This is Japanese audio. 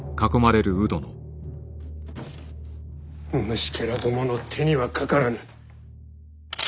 虫けらどもの手にはかからぬ。